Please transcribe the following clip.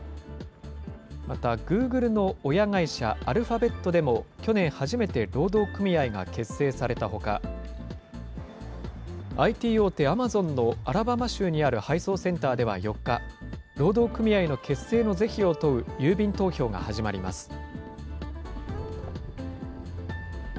またグーグルの親会社、アルファベットでも、去年初めて労働組合が結成されたほか、ＩＴ大手、アマゾンのアラバマ州にある配送センターでは４日、労働組合の結成の是非を問う郵便投票が始まります。